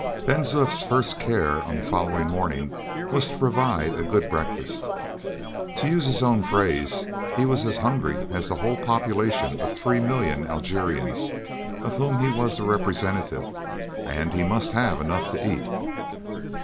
Ben Zoof's first care on the following morning was to provide a good breakfast. To use his own phrase, he was as hungry as the whole population of three million Algerians, of whom he was the representative, and he must have enough to eat.